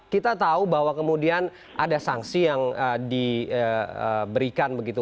kita tahu bahwa kemudian ada sanksi yang diberikan begitu